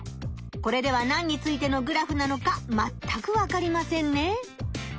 これでは何についてのグラフなのかまったくわかりませんね。